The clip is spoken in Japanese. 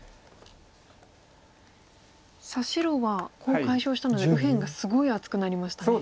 さあ白はコウを解消したので右辺がすごい厚くなりましたね。